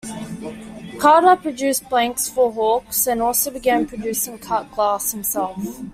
Carder produced blanks for Hawkes and also began producing cut glass himself.